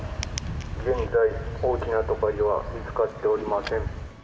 現在、大きなトカゲは見つかっておりません。